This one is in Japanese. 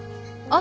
あ！